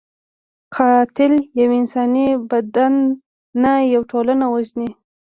قاتل یو انساني بدن نه، یو ټولنه وژني